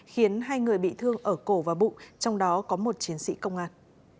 khiến hai người bị thương ở cổ và bụng trong đó có một chiến sĩ công an